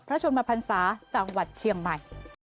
ชนมพันศาจังหวัดเชียงใหม่